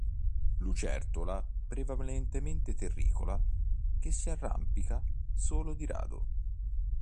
Lucertola prevalentemente terricola, che si arrampica solo di rado.